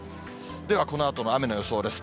では、このあとの雨の予想です。